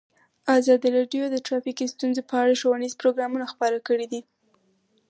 ازادي راډیو د ټرافیکي ستونزې په اړه ښوونیز پروګرامونه خپاره کړي.